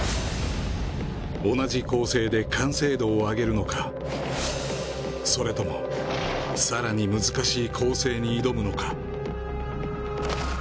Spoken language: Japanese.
同じ構成で完成度を上げるのかそれとも更に難しい構成に挑むのか。